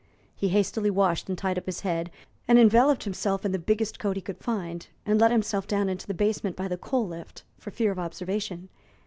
He hastily washed and tied up his head, enveloped himself in the biggest coat he could find, and let himself down into the basement by the coal lift, for fear of observation.